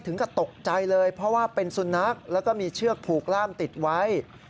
กับตกใจเลยเพราะว่าเป็นสุนัขแล้วก็มีเชือกผูกล่ามติดไว้